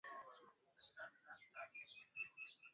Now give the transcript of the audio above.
kuhamasisha haki na uhuru wa waandishi na vyombo vya habari